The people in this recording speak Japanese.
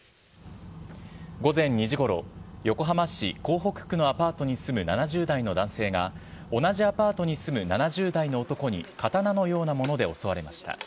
午前２時ごろ、横浜市港北区のアパートに住む７０代の男性が、同じアパートに住む７０代の男に刀のようなもので襲われました。